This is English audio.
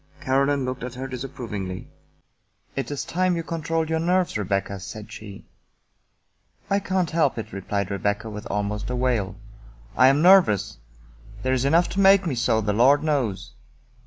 Caroline looked at her disapprovingly. " It is time you controlled your nerves, Rebecca," said she. " I can't help it," replied Rebecca with almost a wail. " I am nervous. There's enough to make me so, the Lord knows."